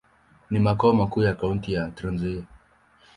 Ni makao makuu ya kaunti ya Trans-Nzoia.